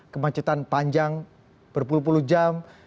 kemacetan panjang berpuluh puluh jam